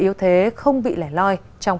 yếu thế không bị lẻ loi trong